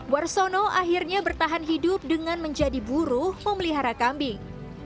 warsono akhirnya bertahan hidup dengan menjadi buruh memelihara kambing